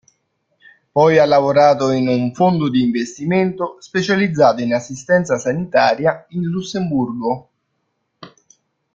Poi ha lavorato in un fondo di investimento specializzato in assistenza sanitaria in Lussemburgo.